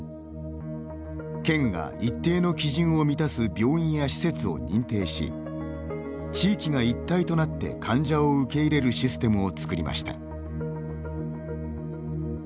県が一定の基準を満たす病院や施設を認定し地域が一体となって、患者を受け入れるシステムを作りました。